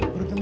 baru jam dua